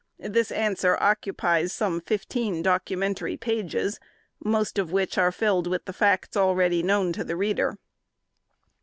This answer occupies some fifteen documentary pages, most of which are filled with the facts already known to the reader.